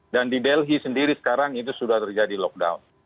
dan di delhi sendiri sekarang itu sudah terjadi lockdown